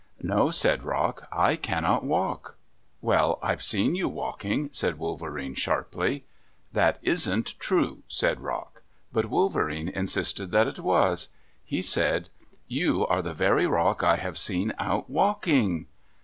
"No," said Rock, "I cannot walk." "Well, I've seen you walking," said Wolverene sharply. "That isn't true," said Rock. But Wolverene insisted that it was. He said, "You are the very Rock I have seen out walking."